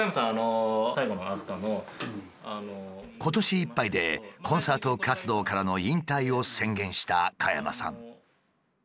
今年いっぱいでコンサート活動からの引退を宣言した加山さん。